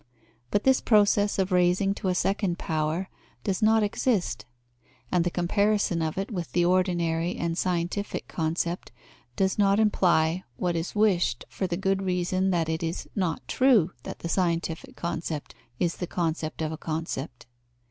But this process of raising to a second power does not exist; and the comparison of it with the ordinary and scientific concept does not imply what is wished, for the good reason that it is not true that the scientific concept is the concept of a concept.